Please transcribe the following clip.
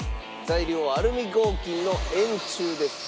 材料はアルミ合金の円柱です。